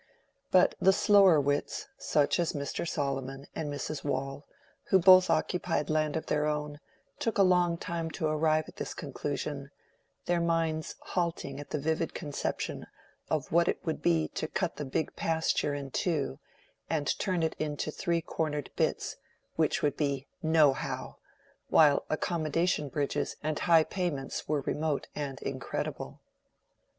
But the slower wits, such as Mr. Solomon and Mrs. Waule, who both occupied land of their own, took a long time to arrive at this conclusion, their minds halting at the vivid conception of what it would be to cut the Big Pasture in two, and turn it into three cornered bits, which would be "nohow;" while accommodation bridges and high payments were remote and incredible.